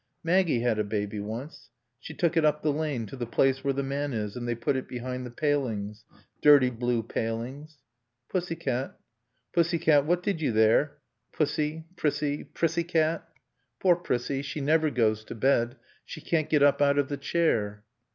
"Maggie had a baby once. She took it up the lane to the place where the man is; and they put it behind the palings. Dirty blue palings. "...Pussycat. Pussycat, what did you there? Pussy. Prissie. Prissiecat. Poor Prissie. She never goes to bed. She can't get up out of the chair."